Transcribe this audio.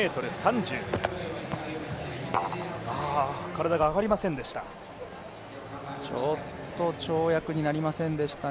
体が上がりませんでした。